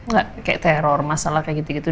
gak kayak teror masalah kayak gitu gitu